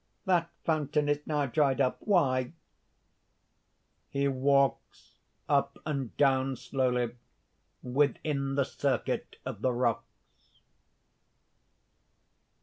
That fountain is now dried up. Why?" (_He walks up and down slowly, within the circuit of the rocks.